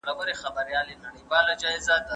د غنمو ډوډۍ د بدن لپاره ګټوره ده.